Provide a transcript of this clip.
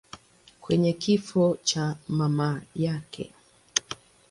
kwenye kifo cha mama yake.